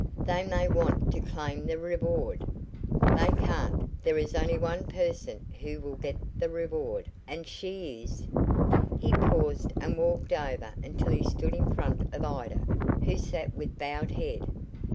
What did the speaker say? "They may want to claim the reward." "They can't. There is only one person who will get the reward, and she is " He paused and walked over until he stood in front of Ida, who sat with bowed head.